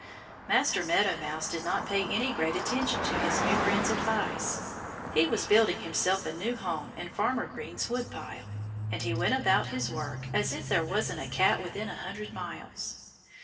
Master Meadow Mouse did not pay any great attention to his new friend's advice. He was building himself a new home in Farmer Green's woodpile. And he went about his work as if there wasn't a cat within a hundred miles.